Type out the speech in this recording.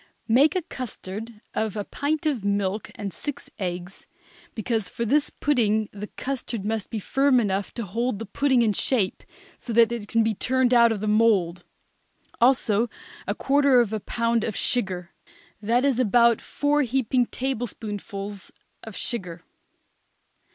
Make a custard of a pint of milk and six eggs, because for this pudding the custard must be firm enough to hold the pudding in shape so that it can be turned out of the mould; also a quarter of a pound of sugar; that is about four heaping tablespoonfuls of sugar.